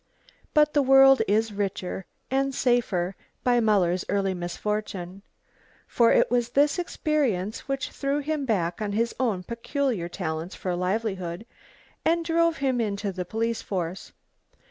But the world is richer, and safer, by Muller's early misfortune. For it was this experience which threw him back on his own peculiar talents for a livelihood, and drove him into the police force.